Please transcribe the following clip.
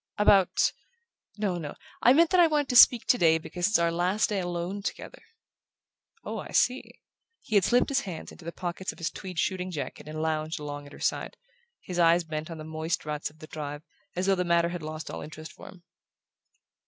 "About ? No, no: I meant that I wanted to speak today because it's our last day alone together." "Oh, I see." He had slipped his hands into the pockets of his tweed shooting jacket and lounged along at her side, his eyes bent on the moist ruts of the drive, as though the matter had lost all interest for him.